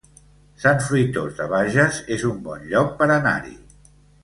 Sant Fruitós de Bages es un bon lloc per anar-hi